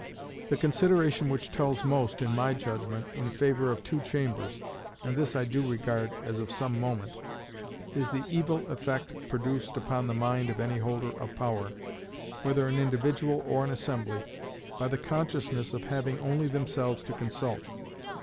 The consideration which tells most, in my judgment, in favor of two Chambers (and this I do regard as of some moment), is the evil effect produced upon the mind of any holder of power, whether an individual or an assembly, by the consciousness of having only themselves to consult.